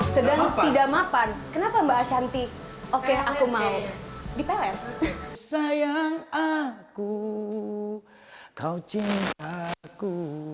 sedang tidak mapan kenapa mbak ashanti oke aku mau dipele sayang aku kau cintaku